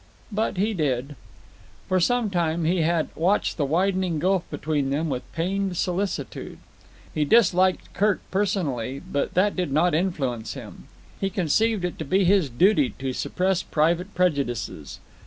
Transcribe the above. But he did. For some time he had watched the widening gulf between them with pained solicitude. He disliked Kirk personally; but that did not influence him. He conceived it to be his duty to suppress private prejudices.